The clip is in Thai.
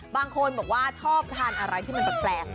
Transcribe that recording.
บางคนบอกว่าชอบทานอะไรที่มันแปลก